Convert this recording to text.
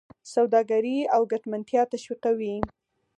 سوداګري او ګټمنتیا تشویقوي.